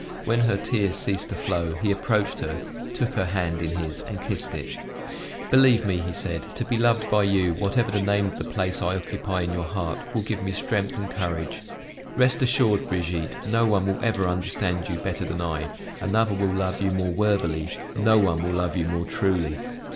When her tears ceased to flow, he approached her, took her hand in his and kissed it. "Believe me," said he, "to be loved by you, whatever the name of the place I occupy in your heart, will give me strength and courage. Rest assured, Brigitte, no one will ever understand you better than I; another will love you more worthily, no one will love you more truly.